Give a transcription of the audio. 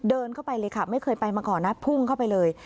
เดินเข้าไปเลยค่ะไม่เคยไปมาก่อนนะพุ่งเข้าไปเลย